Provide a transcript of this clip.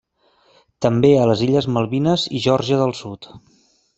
També a les illes Malvines i Geòrgia del Sud.